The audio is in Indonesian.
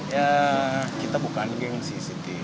ya kita bukan geng sih siti